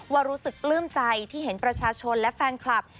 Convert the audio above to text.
ว่ารู้สึกปลื้มใจที่เห็นประชาชนและแฟนคลับ